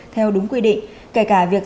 theo đúng quy định kể cả việc